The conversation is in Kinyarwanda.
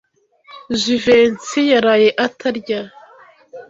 Jivency yaraye atarya.